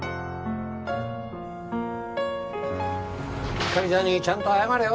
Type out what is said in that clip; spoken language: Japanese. ひかりちゃんにちゃんと謝れよ。